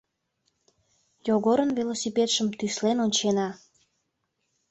Йогорын велосипедшым тӱслен ончена.